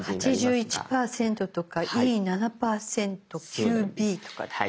８１％とかＥ７％９Ｂとかって。